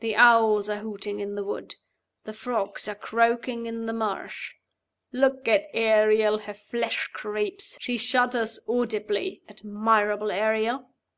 The owls are hooting in the wood; the frogs are croaking in the marsh. Look at Ariel! Her flesh creeps; she shudders audibly. Admirable Ariel!"